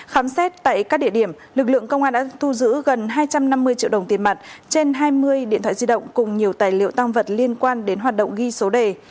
khám xét tại các địa điểm lực lượng công an đã thu giữ gần hai trăm năm mươi triệu đồng tiền mặt trên hai mươi điện thoại di động cùng nhiều tài liệu tăng vật liên quan đến hoạt động ghi số đề